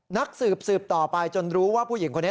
นักสืบสืบต่อไปจนรู้ว่าผู้หญิงคนนี้